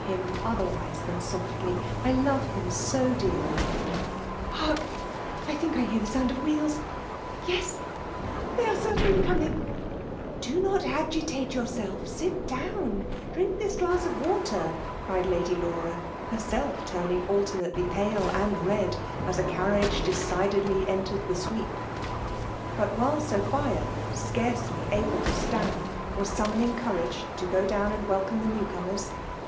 him. otherwise than scrftly^^I l6v« him so dearly! Hark'! I think I hear ^he 9fifaf»A> ) of >. «^hefilsH* y es !«^they are ^ cert&iiily Do not agitate yourself, — sit down ; drink 214 FEMALE DOMINATION. thi« glass of water !'* cried Lady Laura; her self turning alternately pale and red, as a car riage decidedly entered the sweep. But while Sophia^ scarcely able to stand, was summoning courage to go down and welcome the new comers.